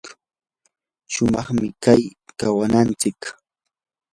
shumaqmi kay kawaynintsik.